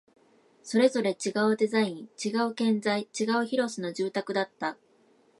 それぞれ違うデザイン、違う建材、違う広さの住宅だった